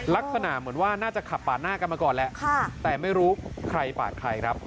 ลักษณะเหมือนว่าน่าจะขับปาดหน้ากันมาก่อนแหละแต่ไม่รู้ใครปาดใครครับ